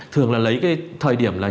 thường là lấy cái thời điểm là